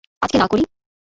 আজকে না করি।